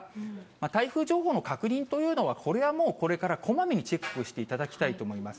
台風情報の確認というのは、これはもう、これからこまめにチェックしていただきたいと思います。